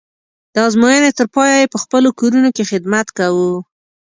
د ازموینې تر پایه یې په خپلو کورونو کې خدمت کوو.